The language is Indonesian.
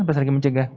pas lagi mencegah